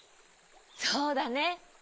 そうだね。